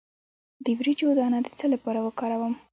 د وریجو دانه د څه لپاره وکاروم؟